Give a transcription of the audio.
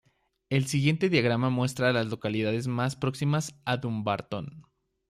El siguiente diagrama muestra a las localidades más próximas a Dumbarton.